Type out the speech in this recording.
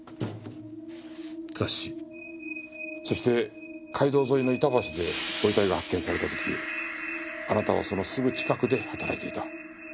雑誌そして街道沿いの板橋でご遺体が発見された時あなたはそのすぐ近くで働いていた。